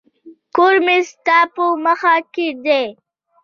کور مي ستا په مخ کي دی.